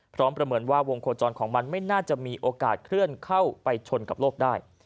ประเมินว่าวงโคจรของมันไม่น่าจะมีโอกาสเคลื่อนเข้าไปชนกับโลกได้